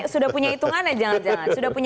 sudah punya hitungannya